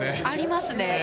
ありますね。